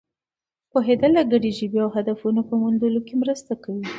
پوهېدل د ګډې ژبې او هدفونو په موندلو کې مرسته کوي.